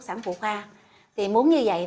sản phụ khoa thì muốn như vậy